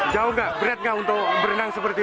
jauh tidak berat tidak untuk berenang seperti itu